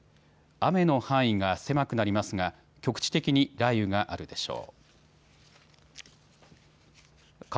雨の範囲が狭くなりますが局地的に雷雨があるでしょう。